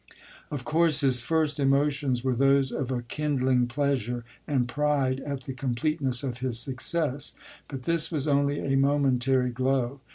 Of course his first emotions were those of a kin dling pleasure and pride at the completeness of his success. But this was only a momentary glow.